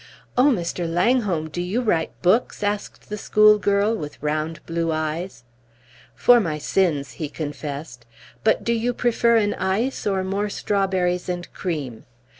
"Oh, Mr. Langholm, do you write books?" asked the schoolgirl, with round blue eyes. "For my sins," he confessed. "But do you prefer an ice, or more strawberries and cream?"